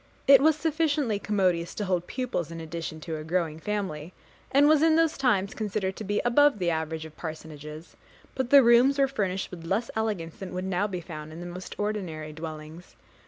It was sufficiently commodious to hold pupils in addition to a growing family, and was in those times considered to be above the average of parsonages; but the rooms were finished with less elegance than would now be found in the most ordinary dwellings.